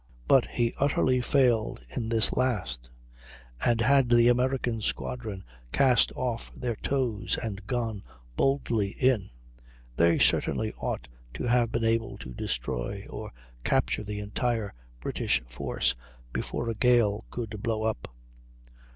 But he utterly failed in this last; and had the American squadron cast off their tows and gone boldly in, they certainly ought to have been able to destroy or capture the entire British force before a gale could blow up.